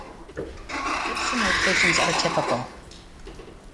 Dips and rotations are typical.